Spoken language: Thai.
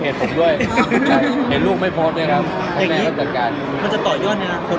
เพจผมด้วยใช่เห็นลูกไม่โพสต์ด้วยครับแต่อันนี้มันจะต่อยอดนะครับ